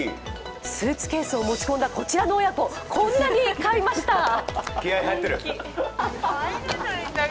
スーツケースを持ち込んだこちらの親子、こんなに買いました。